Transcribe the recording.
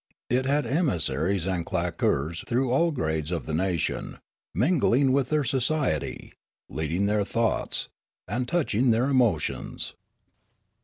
It had emissaries and claqueurs through all grades of the nation, mingling with their societ} , leading their thoughts, and touching their emotions.